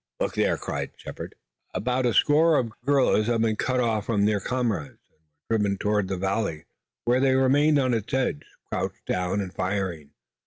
"Look there!" cried Shepard. About a score of the guerrillas had been cut off from their comrades and were driven toward the valley, where they remained on its edge, crouched down, and firing.